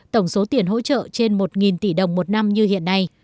tổng số tiền hỗ trợ trên một tỷ đồng một năm như hiện nay